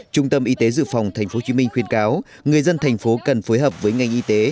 trung tâm y tế dự phòng tp hcm khuyên cáo người dân thành phố cần phối hợp với ngành y tế